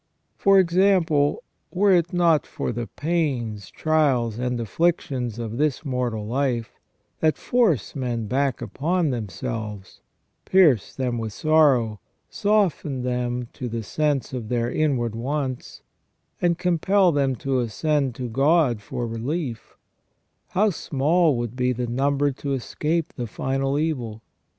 For example, were it not for the pains," trials, and afflictions of this mortal life, that force men back upon themselves, pierce them with sorrow, soften them to the sense of their inward wants, and compel them to ascend to God for relief, how small would be the number to escape the final evil.